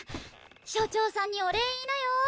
所長さんにお礼言いなよ